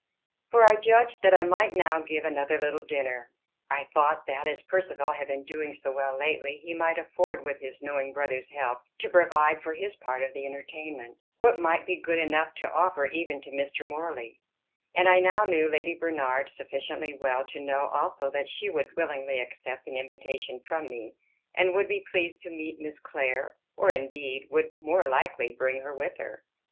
For I judged that I might now give another little dinner: I thought, that, as Percivale had been doing so well lately, he might afford, with his knowing brother's help, to provide, for his part of the entertainment, what might be good enough to offer even to Mr. Morley; and I now knew Lady Bernard sufficiently well to know also that she would willingly accept an invitation from me, and would be pleased to meet Miss Clare, or, indeed, would more likely bring her with her.